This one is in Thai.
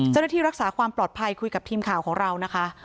เจ้าหน้าที่รักษาความปลอดภัยคุยกับทีมข่าวของเรานะคะ